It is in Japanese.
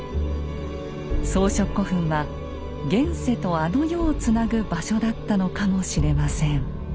装飾古墳は現世とあの世をつなぐ場所だったのかもしれません。